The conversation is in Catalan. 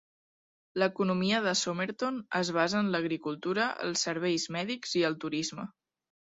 L'economia de Somerton es basa en l'agricultura, els serveis mèdics i el turisme.